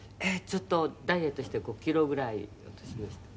「ちょっとダイエットして５キロぐらい落としました」